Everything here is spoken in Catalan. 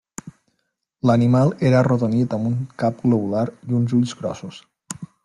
L’animal era arrodonit amb un cap globular i uns ulls grossos.